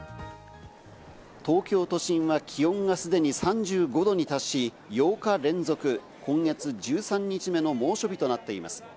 東京都心は気温がすでに３５度に達し、８日連続、今月１３日目の猛暑日となっています。